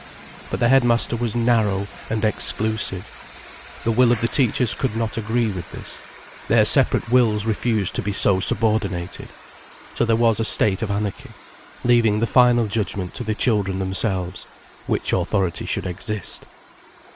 But the headmaster was narrow and exclusive. The will of the teachers could not agree with his, their separate wills refused to be so subordinated. So there was a state of anarchy, leaving the final judgment to the children themselves, which authority should exist.